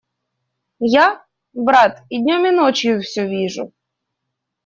Я, брат, и днем и ночью все вижу.